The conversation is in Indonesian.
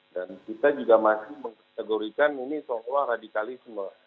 dan kita juga masih menegurikan ini seolah olah radikalisme